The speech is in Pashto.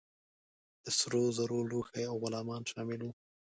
د سرو زرو لوښي او غلامان شامل وه.